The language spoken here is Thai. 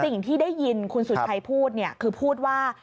สิ่งที่ได้ยินคุณสุชัยพูดเนี่ยคือพูดว่า